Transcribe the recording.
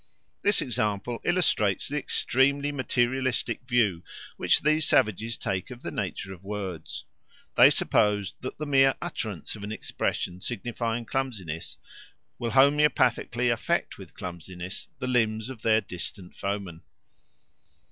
This example illustrates the extremely materialistic view which these savages take of the nature of words; they suppose that the mere utterance of an expression signifying clumsiness will homoeopathically affect with clumsiness the limbs of their distant foemen.